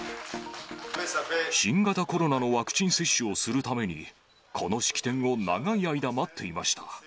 新型コロナのワクチン接種をするために、この式典を長い間、待っていました。